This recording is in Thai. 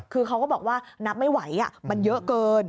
คือเขาก็บอกว่านับไม่ไหวมันเยอะเกิน